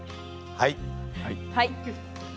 はい。